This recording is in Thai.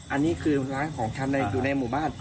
อันนี้คือร้านของชำอยู่ในหมู่บ้าน